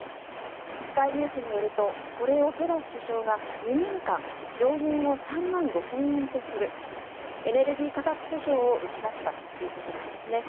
スカイニュースによるとこれをトラス首相が２年間上限を３万５０００円とするエネルギー価格保証を打ち出したということなんですね。